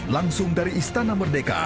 langsung dari istana merdeka